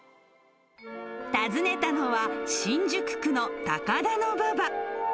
訪ねたのは、新宿区の高田馬場。